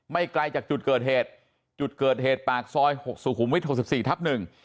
ไม่ไกลจากจุดเกิดเหตุจุดเกิดเหตุปากซอยสุขุมวิทย์๖๔ทับ๑